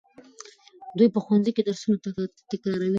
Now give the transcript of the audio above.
دوی په ښوونځي کې درسونه تکراروي.